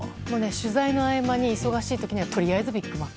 取材の合間に忙しい時はとりあえずビッグマック。